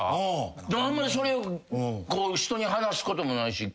あんまそれを人に話すこともないし